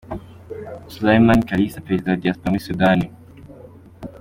Photos: Sulaiman Kalisa , Perezida wa Diaspora muri Sudani.